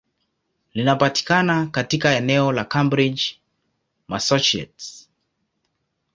Linapatikana katika eneo la Cambridge, Massachusetts.